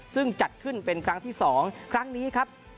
ซึ่งจัดขึ้นเป็นครั้งที่๒ครั้งนี้ครับ